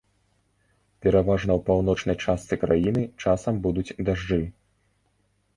Пераважна ў паўночнай частцы краіны часам будуць дажджы.